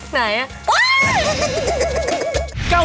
ไหนอ่ะว้าว